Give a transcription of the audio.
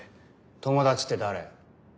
友達って誰？